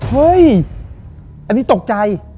เฮ้ยอันนี้ตกใจ